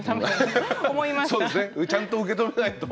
ちゃんと受け止めないと。